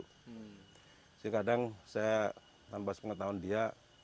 kadang kadang saya tambah sepengah tahun dia